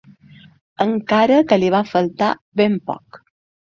Encara que li va faltar ben poc.